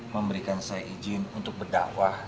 memberikan saya izin untuk berdakwah